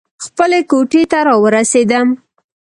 خپلې کوټې ته راورسېدم.